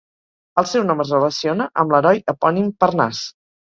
El seu nom es relaciona amb l'heroi epònim Parnàs.